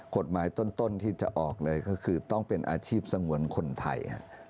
กฎหมายต้นที่จะออกเลยก็คือต้องเป็นอาชีพสงวนคนไทย